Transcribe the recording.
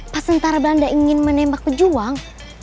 pas tentara belanda ingin menembak pejuang